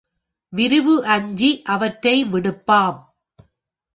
விரிவு அஞ்சி அவற்றை விடுப்பாம்.